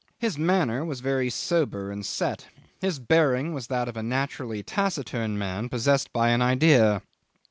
His manner was very sober and set; his bearing was that of a naturally taciturn man possessed by an idea.